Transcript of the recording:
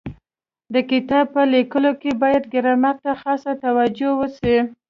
د کتاب په لیکلو کي باید ګرامر ته خاصه توجو وسي.